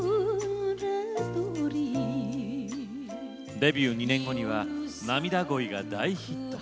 デビュー２年後には「なみだ恋」が大ヒット。